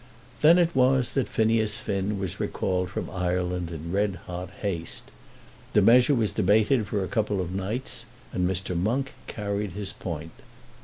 Then it was that Phineas Finn was recalled from Ireland in red hot haste. The measure was debated for a couple of nights, and Mr. Monk carried his point.